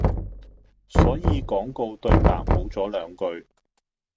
所以廣告對白無咗兩句